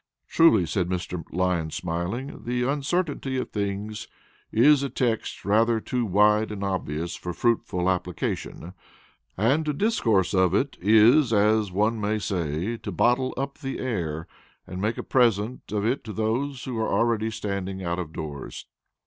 "Truly," said Mr. Lyon, smiling, "the uncertainty of things is a text rather too wide and obvious for fruitful application; and to discourse of it is, as one may say, to bottle up the air, and make a present of it to those who are already standing out of doors."